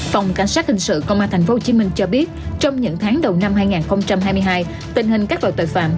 phòng cảnh sát hình sự công an tp hcm cho biết trong những tháng đầu năm hai nghìn hai mươi hai tình hình các loại tội phạm